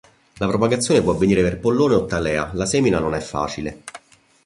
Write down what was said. La propagazione può avvenire per pollone o talea, la semina non è facile.